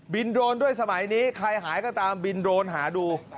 โดรนด้วยสมัยนี้ใครหายก็ตามบินโรนหาดู